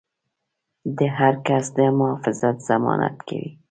د هر کس د محافظت ضمانت کوي.